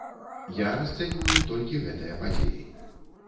Я расцэньваю толькі гэтыя падзеі.